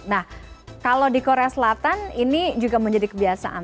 nah kalau di korea selatan ini juga menjadi kebiasaan